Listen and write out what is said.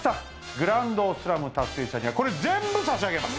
グランドスラム達成者にはこれ全部差し上げます。